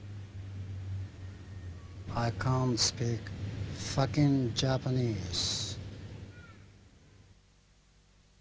アイカントスピークファッキンジャパニーズ。